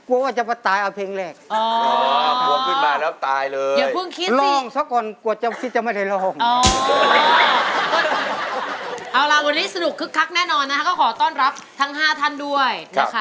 วันนี้สนุกคลึกคลักแน่นอนก็ขอต้อนรับทาง๕ทันด้วย